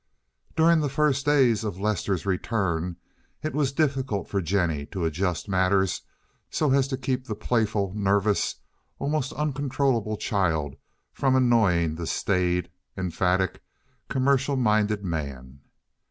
During the first days of Lester's return it was difficult for Jennie to adjust matters so as to keep the playful, nervous, almost uncontrollable child from annoying the staid, emphatic, commercial minded man.